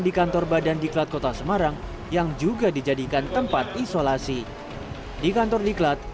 di kantor badan diklat kota semarang yang juga dijadikan tempat isolasi di kantor diklat